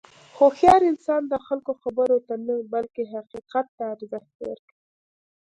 هوښیار انسان د خلکو خبرو ته نه، بلکې حقیقت ته ارزښت ورکوي.